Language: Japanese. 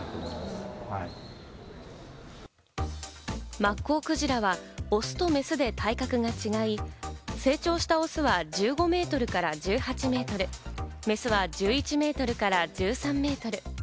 マッコウクジラはオスとメスで体格が違い、成長したオスは１５メートルから１８メートル、メスは１１メートルから１３メートル。